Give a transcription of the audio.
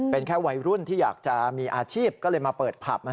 เป็นแค่วัยรุ่นที่อยากจะมีอาชีพก็เลยมาเปิดผับ